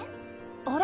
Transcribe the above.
あれ？